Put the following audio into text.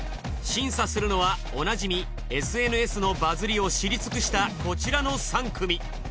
審査するのはおなじみＳＮＳのバズりを知り尽くしたこちらの３組。